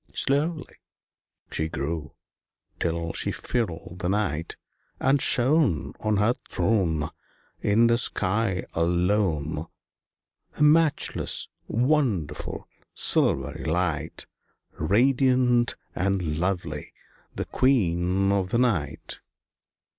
Slowly she grew till she filled the night, And shone On her throne In the sky alone, A matchless, wonderful, silvery light, Radiant and lovely, the Queen of the night.